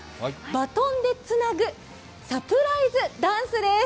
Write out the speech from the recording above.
バトンでつなぐサプライズダンスです。